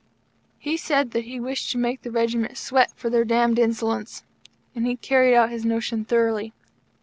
He said that he wished to make the regiment "sweat for their damned insolence," and he carried out his notion thoroughly.